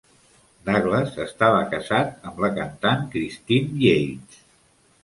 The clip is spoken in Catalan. Douglass estava casat amb la cantant Christine Yates.